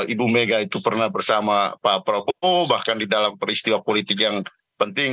ibu mega itu pernah bersama pak prabowo bahkan di dalam peristiwa politik yang penting